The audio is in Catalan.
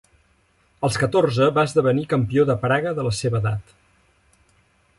Als catorze va esdevenir campió de Praga de la seva edat.